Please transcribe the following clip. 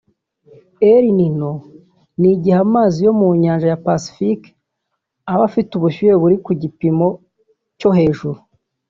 El Nino ni igihe amazi yo mu Nyanja ya Pacifique aba afite ubushyuhe buri ku gipimo cyo hejuru